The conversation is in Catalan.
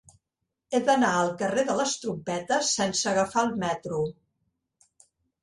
He d'anar al carrer de les Trompetes sense agafar el metro.